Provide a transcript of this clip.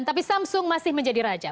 tapi samsung masih menjadi raja